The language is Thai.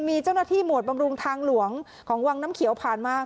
มีเจ้าหน้าที่หมวดบำรุงทางหลวงของวังน้ำเขียวผ่านมา